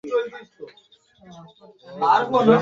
এটি পৃথিবীর অন্যতম দর্শনীয় এবং বিস্ময়কর স্থান।